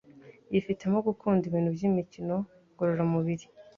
Yifitemo gukunda ibintu byimikino ngororamubiri